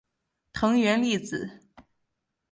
藤原丽子